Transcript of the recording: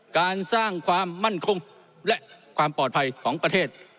การสร้างความมั่นคงและความปลอดภัยของประเทศ